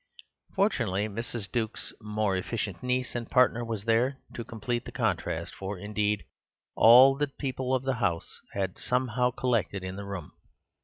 Fortunately, Mrs. Duke's more efficient niece and partner was there to complete the contract; for, indeed, all the people of the house had somehow collected in the room.